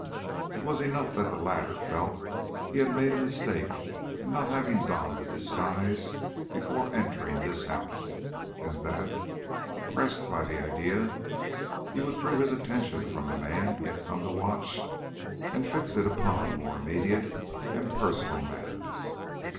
It was enough that the latter felt he had made a mistake in not having donned a disguise before entering this house, and that, oppressed by the idea, he withdrew his attention from the man he had come to watch, and fixed it upon more immediate and personal matters.